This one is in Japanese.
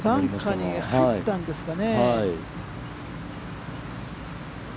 バンカーに入ったんですかね。